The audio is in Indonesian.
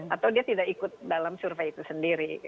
atau dia tidak ikut dalam survei itu sendiri